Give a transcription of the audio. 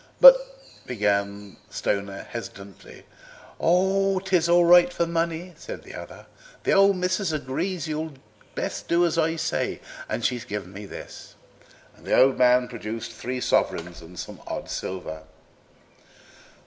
"But " began Stoner hesitatingly. "'Tis all right for money," said the other; "the old Missus agrees you'd best do as I say, and she's given me this." The old man produced three sovereigns and some odd silver.